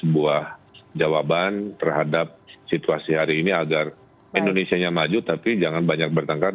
sebuah jawaban terhadap situasi hari ini agar indonesia nya maju tapi jangan banyak bertengkar